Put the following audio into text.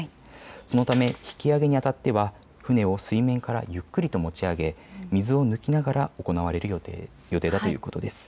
そのため引き揚げにあたっては船を水面からゆっくりと持ち上げ水を抜きながら行われる予定だということです。